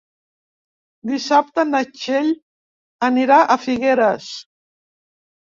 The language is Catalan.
Dissabte na Txell anirà a Figueres.